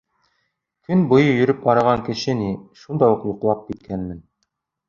Көн буйы йөрөп арыған кеше ни, шунда уҡ йоҡлап киткәнмен.